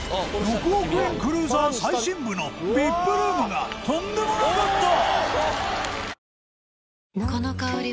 ６億円クルーザー最深部の ＶＩＰ ルームがとんでもなかった！